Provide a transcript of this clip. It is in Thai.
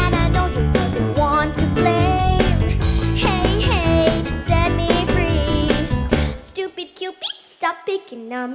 น่ารัก